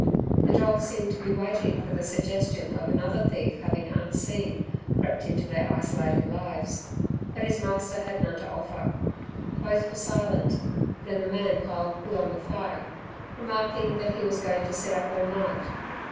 The dog seemed to be waiting for the suggestion of another thief having unseen crept into their isolated lives, but his master had none to offer. Both were silent, then the man piled wood on the fire, remarking that he was going to sit up all night.